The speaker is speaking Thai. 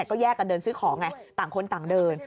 ก็แยกกันเดินซื้อของไงต่างคนต่างเดิน